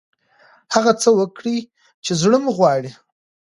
هغه څه وکړئ چې زړه مو غواړي.